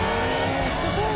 すごい。